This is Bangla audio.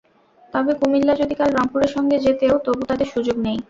তবে কুমিল্লা যদি কাল রংপুরের সঙ্গে জেতেও, তবু তাদের সুযোগ নেই।